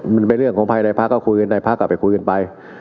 มันเป็นเรื่องของภายในพักก็คุยกันได้พักก็ไปคุยกันไป